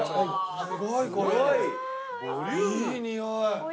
いいにおい！